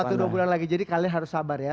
satu dua bulan lagi jadi kalian harus sabar ya